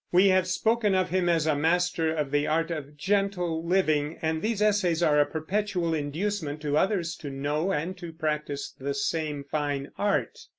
_ We have spoken of him as a master of the art of gentle living, and these essays are a perpetual inducement to others to know and to practice the same fine art.